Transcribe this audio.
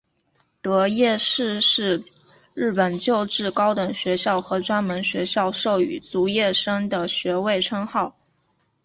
得业士是日本旧制高等学校和专门学校授与卒业生的学位称号。